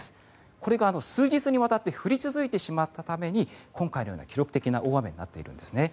これが数日にわたって降り続いてしまったために今回のような記録的な大雨になっているんですね。